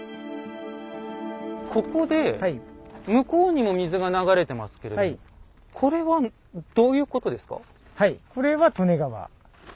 ここで向こうにも水が流れてますけれどもこれはどういうことですか？